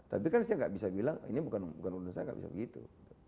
tapi kan saya enggak bisa bilang ini bukan undang saya enggak bisa begitu